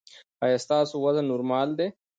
ایا ستاسو وزن نورمال دی؟